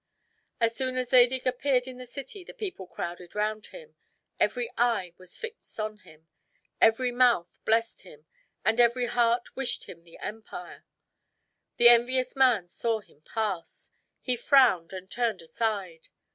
As soon as Zadig appeared in the city the people crowded round him; every eye was fixed on him; every mouth blessed him, and every heart wished him the empire. The envious man saw him pass; he frowned and turned aside.